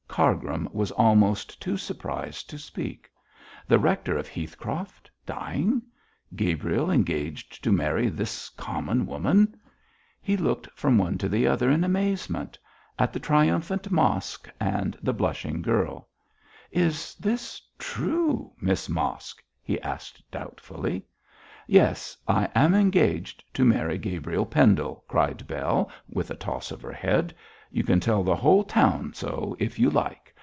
Cargrim was almost too surprised to speak. The rector of Heathcroft dying; Gabriel engaged to marry this common woman. He looked from one to the other in amazement; at the triumphant Mosk, and the blushing girl. 'Is this true, Miss Mosk?' he asked doubtfully. 'Yes! I am engaged to marry Gabriel Pendle,' cried Bell, with a toss of her head. 'You can tell the whole town so if you like.